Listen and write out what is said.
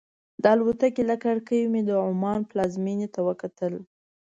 د الوتکې له کړکۍ مې د عمان پلازمېنې ته وکتل.